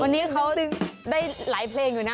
วันนี้เขาได้หลายเพลงอยู่นะ